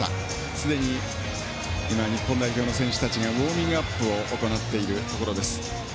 すでに今、日本代表の選手たちがウォーミングアップを行っているところです。